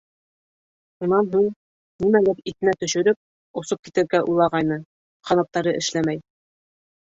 Унан һуң. нимәлер иҫенә төшөрөп, осоп китергә уйлағайны, ҡанаттары эшләмәй.